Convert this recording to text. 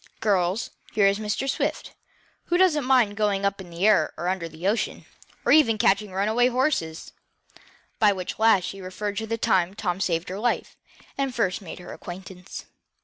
Girls, here is Mr. Swift, who doesn't mind going up in the air or under the ocean, or even catching runaway horses," by which last she referred to the time Tom saved her life, and first made her acquaintance.